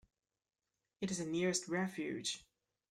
It is the nearest refuge.